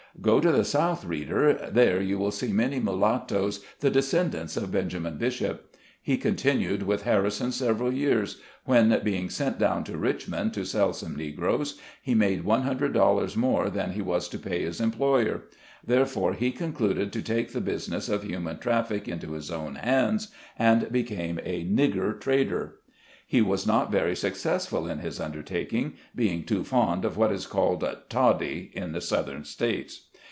Go to the South, reader ! there you will see many mulattoes, the descendants of Ben. Bishop. He continued with Harrison several years, when, being sent down to Richmond to sell some Negroes, he made one hundred dollars more than he was to pay his employer; therefore, he concluded to take the business of human traffic into his own hands, and become a "nigger trader" He was not very successful in his undertaking, being too fond of what is called "toddy" in the Southern States.